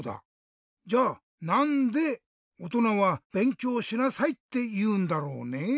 じゃあなんでおとなは「べんきょうしなさい」っていうんだろうねぇ？